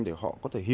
để họ có thể hiểu